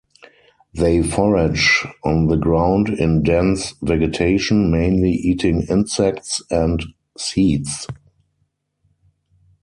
They forage on the ground in dense vegetation, mainly eating insects and seeds.